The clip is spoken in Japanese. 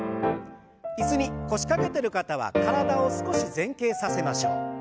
椅子に腰掛けてる方は体を少し前傾させましょう。